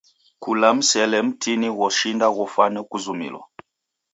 Kula msele mtini ghoshinda ghofwana ghuzumilo.